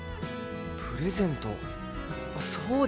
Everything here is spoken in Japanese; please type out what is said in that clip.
プレゼントそうですね。